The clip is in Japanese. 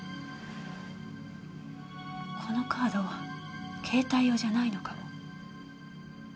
このカード携帯用じゃないのかも。